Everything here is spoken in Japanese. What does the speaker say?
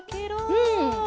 うん。